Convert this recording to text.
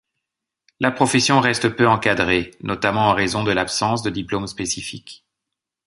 La profession reste peu encadrée, notamment en raison de l'absence de diplôme spécifique.